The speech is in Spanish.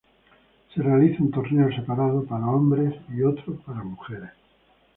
Se realiza un torneo separado para hombres y otro para mujeres.